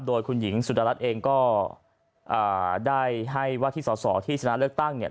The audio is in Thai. โดยคุณหญิงสุดรัสเองก็เอ่อได้ให้วาทิสรสอบที่สนับเลือกตั้งเนี่ย